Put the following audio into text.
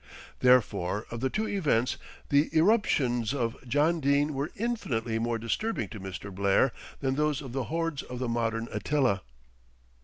Therefore of the two events the irruptions of John Dene were infinitely more disturbing to Mr. Blair than those of the hordes of the modern Attila.